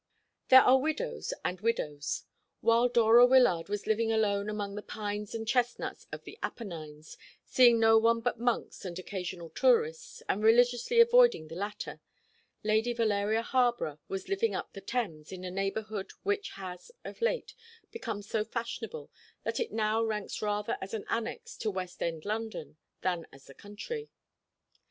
There are widows and widows. While Dora Wyllard was living alone among the pines and chestnuts of the Apennines, seeing no one but monks and occasional tourists, and religiously, avoiding the latter, Lady Valeria Harborough was living up the Thames, in a neighbourhood which has of late become so fashionable that it now ranks rather as an annexe to West End London than as the country.